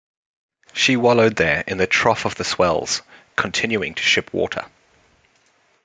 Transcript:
She wallowed there in the trough of the swells, continuing to ship water.